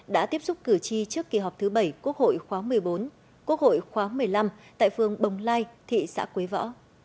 đã tiếp xúc cử tri trước kỳ họp thứ bảy quốc hội khóa một mươi bốn quốc hội khóa một mươi năm tại phương bồng lai thị xã quế võ